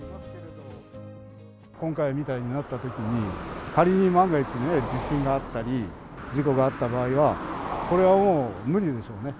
今回みたいになったときに、仮に万が一ね、地震があったり、事故があった場合は、これはもう無理でしょうね。